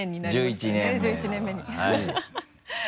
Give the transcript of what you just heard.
１１年目に